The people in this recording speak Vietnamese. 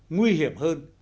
nguy hiểm hơn